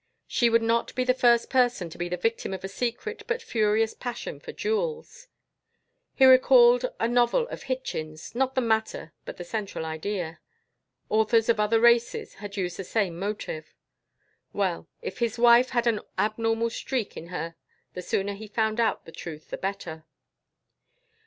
She would not be the first person to be the victim of a secret but furious passion for jewels. He recalled a novel of Hichens; not the matter but the central idea. Authors of other races had used the same motive. Well, if his wife had an abnormal streak in her the sooner he found out the truth the better.